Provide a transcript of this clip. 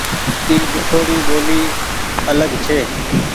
اي ليکوڙي ٻولي آلگ ڇي۔